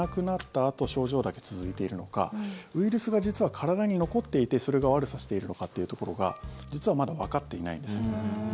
あと症状だけ続いているのかウイルスが実は体に残っていてそれが悪さしているのかというところが実はまだわかっていないんです。